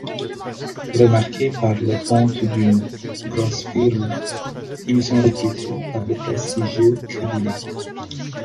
Remarqués par le ponte d'une grosse firme, ils sont recrutés par le prestigieux cabinet.